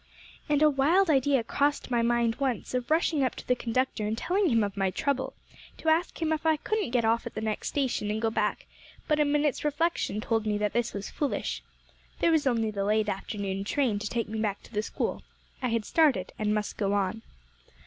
"And a wild idea crossed my mind once, of rushing up to the conductor and telling him of my trouble, to ask him if I couldn't get off at the next station and go back; but a minute's reflection told me that this was foolish. There was only the late afternoon train to take me to the school. I had started, and must go on."